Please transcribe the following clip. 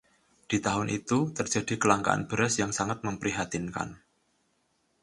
Di tahun itu terjadi kelangkaan beras yang sangat memprihatinkan.